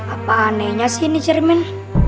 apa anehnya sih ini cermin